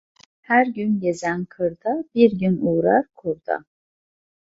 Her gün gezen kırda, bir gün uğrar kurda.